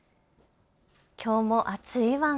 きょうも暑いワン。